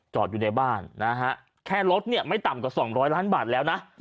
อยู่ในบ้านนะฮะแค่รถเนี่ยไม่ต่ำกว่า๒๐๐ล้านบาทแล้วนะ